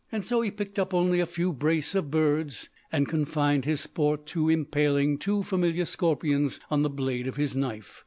So he picked up only a few brace of birds, and confined his sport to impaling too familiar scorpions on the blade of his knife.